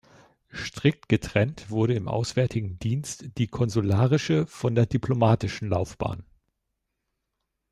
Strikt getrennt wurde im Auswärtigen Dienst die konsularische von der diplomatischen Laufbahn.